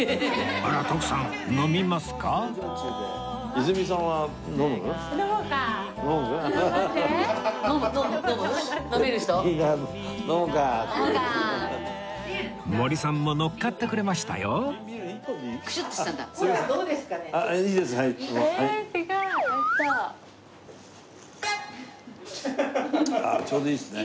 ああちょうどいいですね。